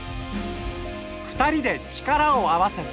二人で力を合わせて